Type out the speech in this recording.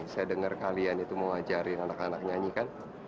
saya dengar kalian itu mau ngajarin anak anak nyanyikan